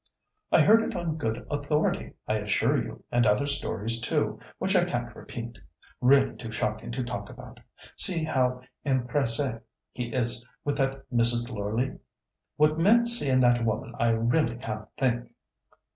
"I heard it on good authority, I assure you, and other stories too, which I can't repeat—really too shocking to talk about. See how empresse he is with that Mrs. Loreleigh! What men see in that women I really can't think."